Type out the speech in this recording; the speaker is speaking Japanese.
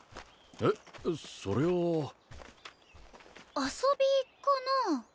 えっそれは遊びかな？